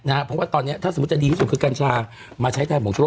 เพราะว่าตอนนี้ถ้าสมมุติจะดีที่สุดคือกัญชามาใช้แทนของชั่